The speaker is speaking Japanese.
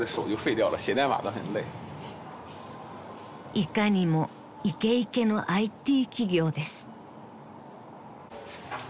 ［いかにもイケイケのＩＴ企業です］